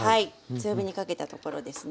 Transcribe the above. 強火にかけたところですね。